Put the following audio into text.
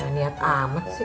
nyat amat sih